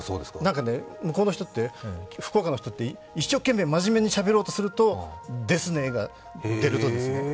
絶対、福岡の人って、一生懸命真面目にしゃべろうとすると「ですね」が出るとですね。